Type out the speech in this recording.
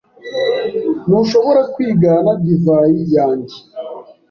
Ntushobora kwigana divayi yanjye?